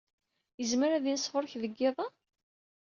Yezmer ad yens ɣer-k deg yiḍ-a?